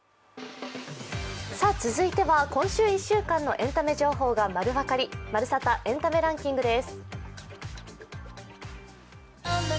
続いては今週１週間のエンタメ情報がまる分かり、「まるサタ！エンタメランキング」です。